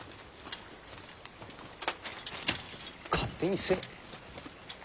勝手にせい。